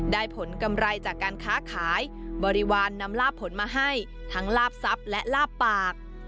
ผลกำไรจากการค้าขายบริวารนำลาบผลมาให้ทั้งลาบทรัพย์และลาบปาก